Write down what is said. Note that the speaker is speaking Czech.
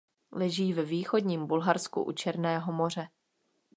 Leží ve východním Bulharsku u Černého moře.